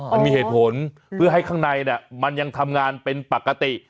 มันมีเหตุผลเพื่อให้ข้างในมันยังทำงานเป็นปกติ